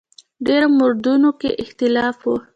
ډېرو موردونو کې اختلاف و.